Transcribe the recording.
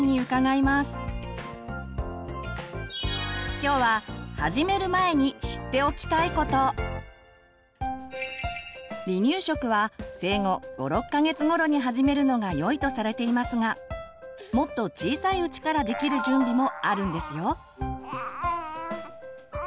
今日は離乳食は生後５６か月頃に始めるのがよいとされていますがもっと小さいうちからできる準備もあるんですよ。